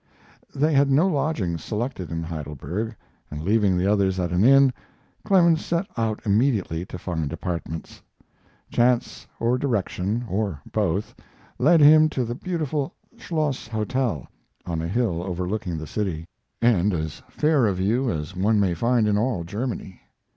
They had no lodgings selected in Heidelberg, and leaving the others at an inn, Clemens set out immediately to find apartments. Chance or direction, or both, led him to the beautiful Schloss Hotel, on a hill overlooking the city, and as fair a view as one may find in all Germany.